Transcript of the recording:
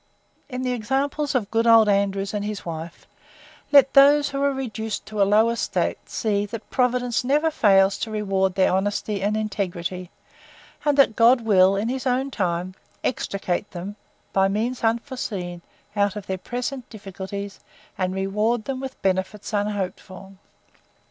In the examples of good old ANDREWS and his WIFE, let those, who are reduced to a low estate, see, that Providence never fails to reward their honesty and integrity: and that God will, in his own good time, extricate them, by means unforeseen, out of their present difficulties, and reward them with benefits unhoped for.